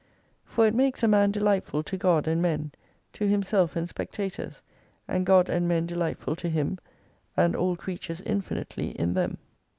For it makes a man delightful to God and men, to himself and spectators, and God and men delightful to him, and all creatures infinitely in them.